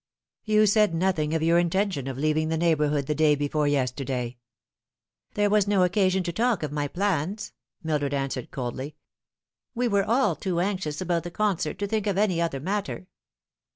" You said nothing of your intention of leaving the neighbour hood the day before yesterday." " There was no occasion to talk of my plans," Mildred an swered coldly. " We were all too anxious about the concert to think of any other matter."